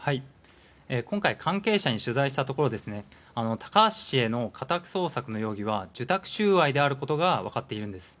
今回関係者に取材したところ高橋氏への家宅捜索の容疑は受託収賄であることが分かっているんです。